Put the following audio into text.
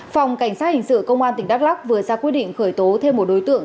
phòng cảnh sát hình sự công an tỉnh đắk lắc vừa ra quyết định khởi tố thêm một đối tượng